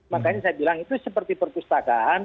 makanya saya bilang itu seperti perpustakaan